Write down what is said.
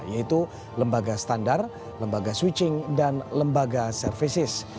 yaitu lembaga standar lembaga switching dan lembaga services